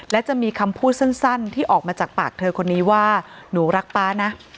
และจะมีคำพูดสั้นที่ออกมาจากปากเธอคนนี้ว่าหนูรักป๊านะ